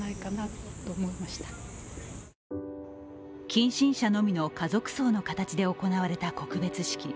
近親者のみの家族葬の形で行われた告別式。